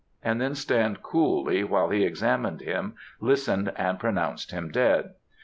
and then stand coolly while he examined him, listened, and pronounced him 'dead.'